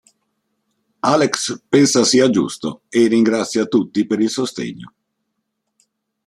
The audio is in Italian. Alex pensa sia giusto e ringrazia tutti per il sostegno.